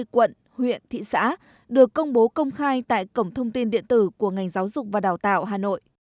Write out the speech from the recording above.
một mươi quận huyện thị xã được công bố công khai tại cổng thông tin điện tử của ngành giáo dục và đào tạo hà nội